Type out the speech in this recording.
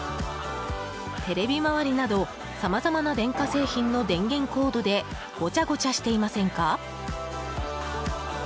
テレビ周りなど、さまざまな電化製品の電源コードでごちゃごちゃしていませんか？